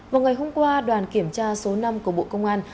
vào ngày hôm qua đoàn kiểm tra số năm của bộ công an